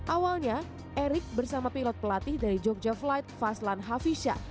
awalnya erick bersama pilot pelatih dari jogja flight faslan hafizha